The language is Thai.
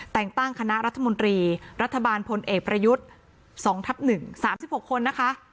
แต่งตั้งคณะรัฐมนตรีรัฐบาลพลเอกประยุทธ์๒ทับ๑๓๖คนนะคะ